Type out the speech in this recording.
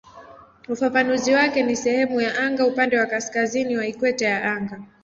Ufafanuzi wake ni "sehemu ya anga upande wa kaskazini wa ikweta ya anga".